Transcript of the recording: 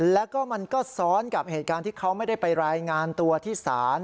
แล้วก็มันก็ซ้อนกับเหตุการณ์ที่เขาไม่ได้ไปรายงานตัวที่ศาล